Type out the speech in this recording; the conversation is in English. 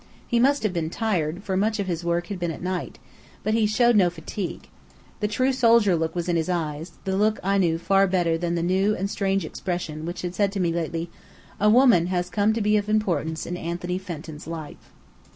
He must have been tired, for much of his work had been night work, but he showed no fatigue. The true soldier look was in his eyes, the look I knew far better than the new and strange expression which had said to me lately, "A woman has come to be of importance in Anthony Fenton's life."